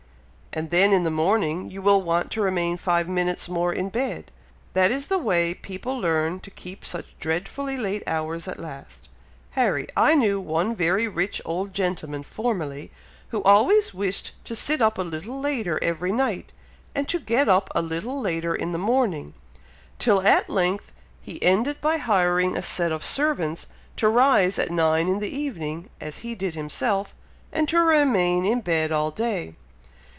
"And then in the morning you will want to remain five minutes more in bed. That is the way people learn to keep such dreadfully late hours at last, Harry! I knew one very rich old gentleman formerly, who always wished to sit up a little later every night, and to get up a little later in the morning, till at length, he ended by hiring a set of servants to rise at nine in the evening, as he did himself, and to remain in bed all day."